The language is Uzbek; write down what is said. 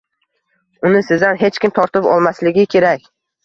Uni sizdan hech kim tortib olmasligi kerak